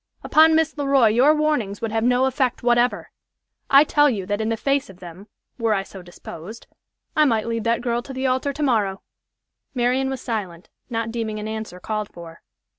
Upon Miss Le Roy your warnings would have no effect whatever. I tell you that in the face of them (were I so disposed), I might lead that girl to the altar to morrow." Marian was silent, not deeming an answer called for.